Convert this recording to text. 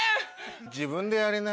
自分でやりなよ。